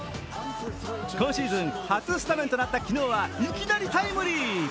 今シーズン初スタメンとなった昨日はいきなりタイムリー。